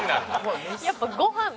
やっぱご飯。